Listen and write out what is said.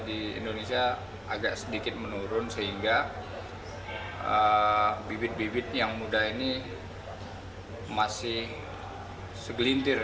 di indonesia agak sedikit menurun sehingga bibit bibit yang muda ini masih segelintir